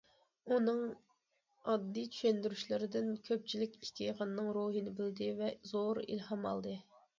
ئۇنىڭ ئاددىي چۈشەندۈرۈشلىرىدىن كۆپچىلىك ئىككى يىغىننىڭ روھىنى بىلدى ۋە زور ئىلھام ئالدى.